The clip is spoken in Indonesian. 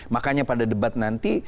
makanya pada debat nanti